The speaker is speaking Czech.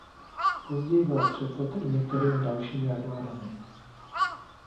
Později byla převzata i některými dalšími armádami.